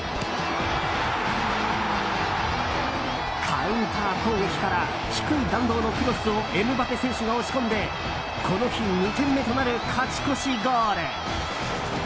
カウンター攻撃から低い弾道のクロスをエムバペ選手が押し込んでこの日２点目となる勝ち越しゴール。